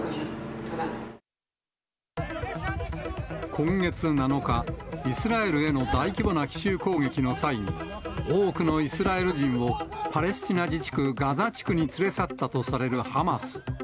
今月７日、イスラエルへの大規模な奇襲攻撃の際に、多くのイスラエル人をパレスチナ自治区ガザ地区に連れ去ったとされるハマス。